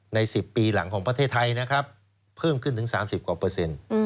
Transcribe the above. ๑๐ปีหลังของประเทศไทยนะครับเพิ่มขึ้นถึง๓๐กว่าเปอร์เซ็นต์